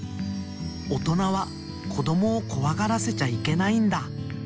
おとなはこどもをこわがらせちゃいけないんだ。